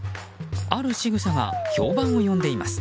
あるしぐさが評判を呼んでいます。